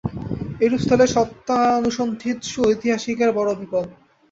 এইরূপ স্থলে সত্যানুসন্ধিৎসু ঐতিহাসিকের বড় বিপদ।